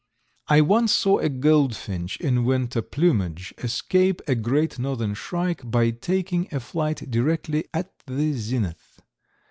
I once saw a goldfinch in winter plumage escape a Great Northern Shrike by taking a flight directly at the zenith.